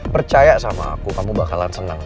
percaya sama aku kamu bakalan senang